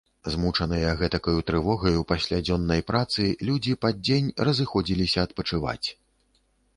Змучаныя гэтакаю трывогаю пасля дзённай працы, людзі пад дзень разыходзіліся адпачываць.